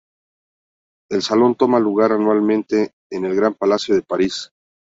El Salón toma lugar anualmente en el Gran Palacio de París.